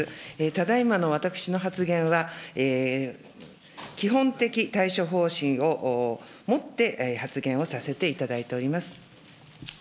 ただいまの私の発言は、基本的対処方針をもって発言をさせていただいております。